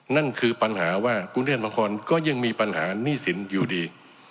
นั่นคือปัญหาว่ากรุงเทพมหานครก็ยังมีปัญหาหนี้สินอยู่ดี